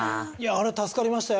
あれ助かりましたよ。